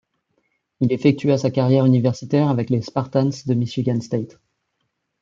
Il effectua sa carrière universitaire avec les Spartans de Michigan State.